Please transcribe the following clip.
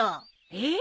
えっ！？